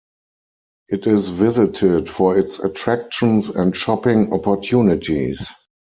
It is visited for its attractions and shopping opportunities.